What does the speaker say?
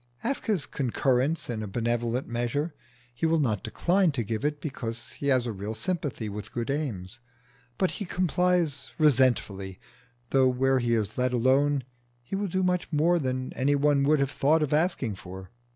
Ask his concurrence in a benevolent measure: he will not decline to give it, because he has a real sympathy with good aims; but he complies resentfully, though where he is let alone he will do much more than any one would have thought of asking for.